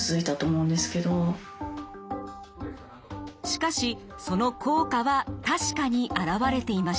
しかしその効果は確かに表れていました。